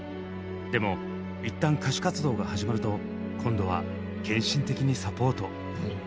でもいったん歌手活動が始まると今度は献身的にサポート。